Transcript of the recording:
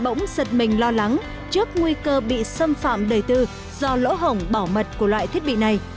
hệ thống sật mình lo lắng trước nguy cơ bị xâm phạm đời tư do lỗ hổng bảo mật của loại thiết bị này